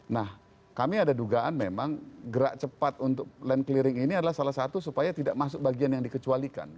nah kami ada dugaan memang gerak cepat untuk land clearing ini adalah salah satu supaya tidak masuk bagian yang dikecualikan